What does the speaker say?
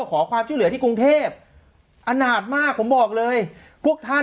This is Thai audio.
ขอความช่วยเหลือที่กรุงเทพอนาจมากผมบอกเลยพวกท่าน